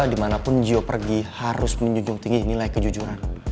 dimanapun jio pergi harus menjunjung tinggi nilai kejujuran